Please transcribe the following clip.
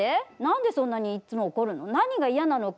なんでそんなにいつも怒るの？